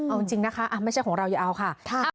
เอาจริงนะคะไม่ใช่ของเราอย่าเอาค่ะ